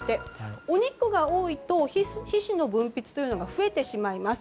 お肉が多いと皮脂の分泌が増えてしまいます。